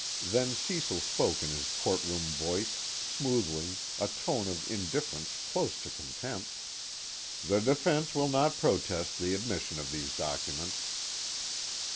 Then Cecil spoke in his courtroom voice, smoothly, a tone of indifference close to contempt: "The defense will not protest the admission of these documents."